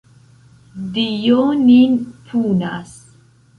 Dio nin punas!